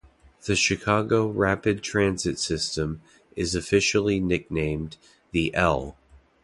The Chicago rapid-transit system is officially nicknamed the "L".